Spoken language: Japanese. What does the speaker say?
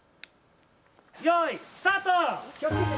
よーいスタート！